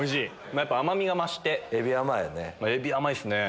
甘みが増してエビ甘いっすね！